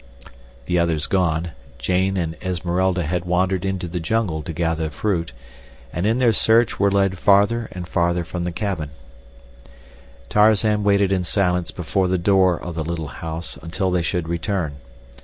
The others gone, Jane and Esmeralda had wandered into the jungle to gather fruit, and in their search were led farther and farther from the cabin. Tarzan waited in silence before the door of the little house until they should return.